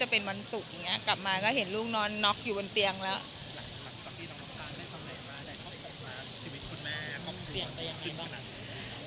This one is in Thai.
หลังจากที่น้องน้องทางได้ทำอะไรมาชีวิตคุณแม่ของคุณก็ยังขึ้นขนาดไหน